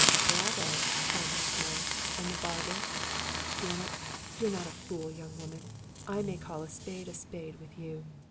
" Bravo !" cried Northmour. " And the bargain? D — ^n it, you're not a fool, young woman; I may call a spade a spade with you.